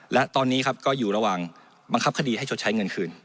และตอนนี้ครับก็อยู่ระหว่างบังคับคดีให้ชดใช้เงินคืน